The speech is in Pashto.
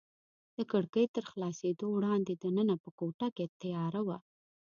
د کړکۍ تر خلاصېدو وړاندې دننه په کوټه کې تیاره وه.